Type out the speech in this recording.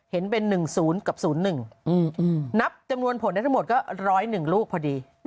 เห็นเป็น๑๐กับ๐๑นับจำนวนผลได้ทั้งหมดก็๑๐๑ลูกพอดี